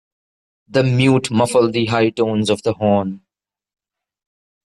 The mute muffled the high tones of the horn.